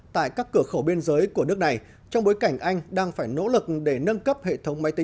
tại các cửa khẩu biên giới của nước này trong bối cảnh anh đang phải nỗ lực để nâng cấp hệ thống máy tính